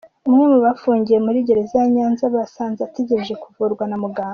Umwe mu bafungiye muri gereza ya Nyanza basanze ategereje kuvurwa na muganga.